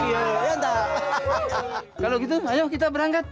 kalau gitu ayo kita berangkat